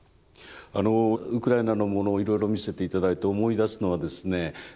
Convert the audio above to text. あのウクライナのものをいろいろ見せて頂いて思い出すのはですね